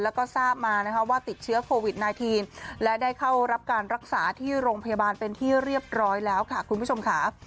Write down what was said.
แล้วก็ทราบมานะคะว่าติดเชื้อโควิด๑๙และได้เข้ารับการรักษาที่โรงพยาบาลเป็นที่เรียบร้อยแล้วค่ะคุณผู้ชมค่ะ